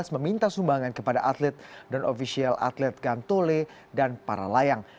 meminta sumbangan kepada atlet dan ofisial atlet gantole dan para layang